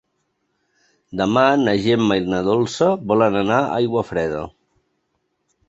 Demà na Gemma i na Dolça volen anar a Aiguafreda.